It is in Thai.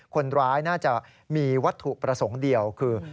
คนร้ายน่าจะมีวัตถุประสงค์เดียวคือ